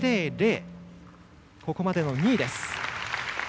ここまでの２位です。